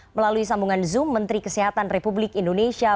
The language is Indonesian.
melalui sambungan zoom menteri kesehatan republik indonesia